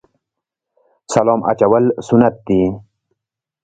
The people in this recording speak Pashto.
سلام اچول سنت دي